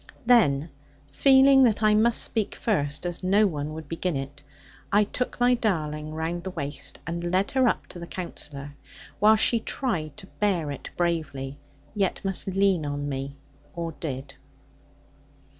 Then feeling that I must speak first (as no one would begin it), I took my darling round the waist, and led her up to the Counsellor; while she tried to bear it bravely; yet must lean on me, or did.